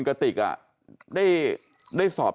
พี่หนุ่ม